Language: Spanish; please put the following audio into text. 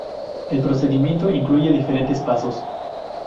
El procedimiento incluye diferentes pasos.